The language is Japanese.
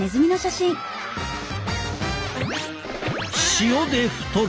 塩で太る。